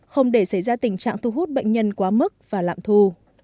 không để xảy ra tình trạng thu hút bệnh nhân quá mức và lạm thu